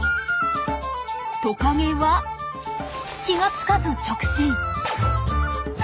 トカゲは気が付かず直進！